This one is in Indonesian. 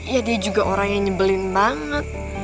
ya dia juga orang yang nyebelin banget